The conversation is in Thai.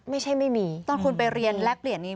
ไม่ใช่ไม่มีตอนคุณไปเรียนแลกเปลี่ยน